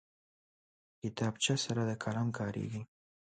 کتابچه سره د قلم کارېږي